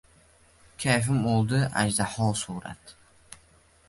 Kayfim oldi ajdaho surat…